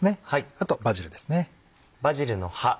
あとバジルです。